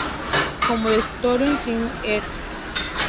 Como descripto en Smith et al.